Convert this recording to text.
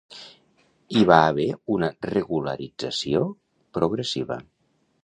Hi va haver una regularització progressiva.